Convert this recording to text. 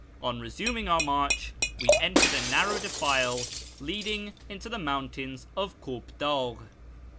On resuming our march we entered a narrow defile leading into the mountains of Kop dagh.